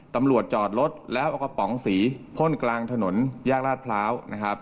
ตำรวจจอดรถและอกระป๋องสีพ่นกลางถนนแยกลาดพร้าว